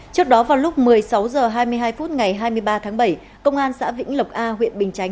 trước đó vào lúc một mươi sáu h hai mươi hai phút ngày hai mươi ba tháng bảy công an xã vĩnh lộc a huyện bình chánh